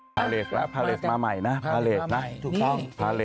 พาเลตละมาใหม่นะพาเลตนะ